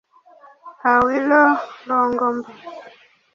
Awilo Longomba